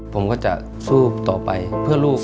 ผมก็จะสู้ต่อไปเพื่อลูก